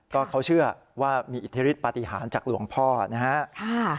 ก็เขาเชื่อว่ามีอิทธิฤทธปฏิหารจากหลวงพ่อนะครับ